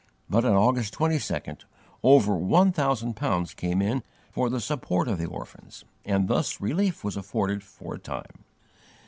But, on August 22nd, over one thousand pounds came in for the support of the orphans and thus relief was afforded for a time.